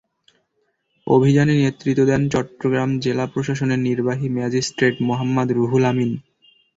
অভিযানে নেতৃত্ব দেন চট্টগ্রাম জেলা প্রশাসনের নির্বাহী ম্যাজিস্ট্রেট মোহাম্মাদ রুহুল আমীন।